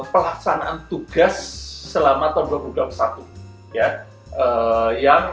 pelaksanaan tugas selama tahun dua ribu dua puluh satu